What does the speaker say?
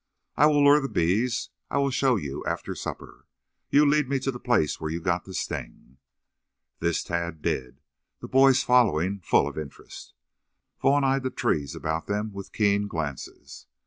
"I will lure the bees. I will show you after supper. You lead me to the place where you got the sting." This Tad did, the boys following, full of interest. Vaughn eyed the trees about them with keen glances.